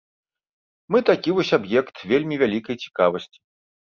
Мы такі вось аб'ект вельмі вялікай цікавасці.